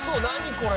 これ。